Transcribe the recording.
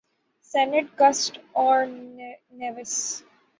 Saint Kitts اور Nevis